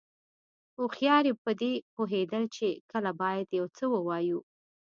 هوښیاري پدې پوهېدل دي چې کله باید یو څه ووایو.